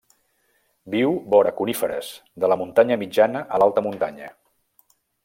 Viu vora coníferes, de la muntanya mitjana a l'alta muntanya.